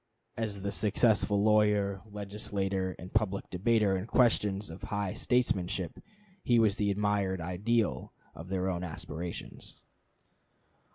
As the successful lawyer, legislator, and public debater in questions of high statesmanship, he was the admired ideal of their own aspirations.